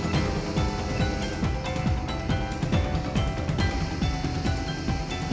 tidak tidak tidak